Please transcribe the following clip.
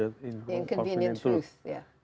setujui untuk menurangi emisi